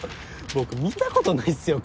僕見たことないっすよ